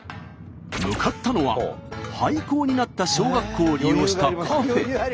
向かったのは廃校になった小学校を利用したカフェ。